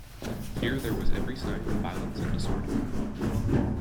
Here there was every sign of violence and disorder.